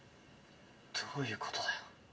どういうことだよ。